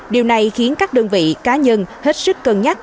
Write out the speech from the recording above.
điều này khiến các đơn vị cá nhân hết sức cân nhắc